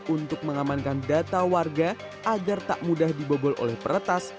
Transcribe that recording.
untuk mengamankan data warga agar tak mudah dibobol oleh peretas